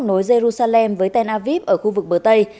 nối jerusalem với tel aviv ở khu vực bờ tây